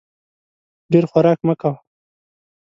ډېر خوراک مه کوه !